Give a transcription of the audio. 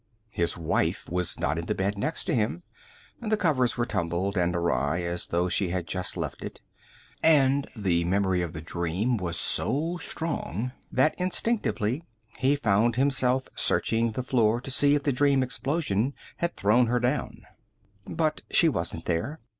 His wife was not in the bed next to him. The covers were tumbled and awry, as though she had just left it, and the memory of the dream was so strong that instinctively he found himself searching the floor to see if the dream explosion had thrown her down. But she wasn't there.